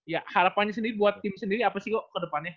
ya harapannya sendiri buat tim sendiri apa sih bu kedepannya